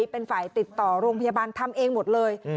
เป็นฝ่ายติดต่อโรงพยาบาลทำเองหมดเลย